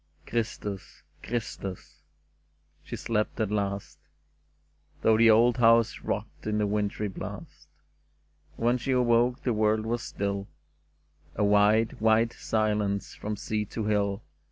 '* Christus ! Christus !" She slept at last. Though the old house rocked in the wintry blast ; And when she awoke the world was still, A wide, white silence from sea to hill.